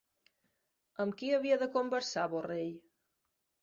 Amb qui havia de conversar Borrell?